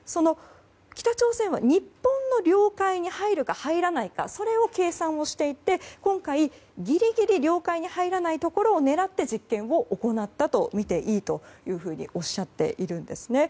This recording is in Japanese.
北朝鮮は日本の領海に入るか入らないかそれを計算していて今回ギリギリ領海に入らないところを狙って実験を行ったとみていいとおっしゃっているんですね。